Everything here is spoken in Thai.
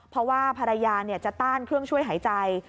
เพราะว่าภรรยาจะต้านเครื่องช่วยหายใจ